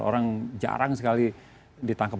orang jarang sekali ditangkap